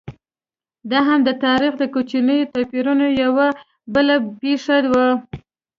دا هم د تاریخ د کوچنیو توپیرونو یوه بله پېښه وه.